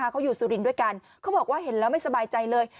เขาอยู่สุรินทร์ด้วยกันเขาบอกว่าเห็นแล้วไม่สบายใจเลย